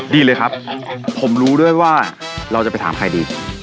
ดีเลยครับผมรู้ด้วยว่าเราจะไปถามใครดี